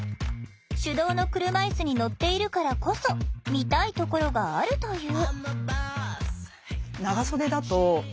手動の車いすに乗っているからこそ見たいところがあるという。